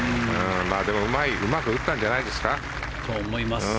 でもうまく打ったんじゃないですか？